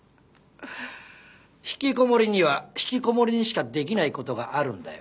ひきこもりにはひきこもりにしかできない事があるんだよ。